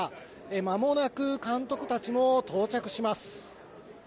間もなく監督たちも到着します。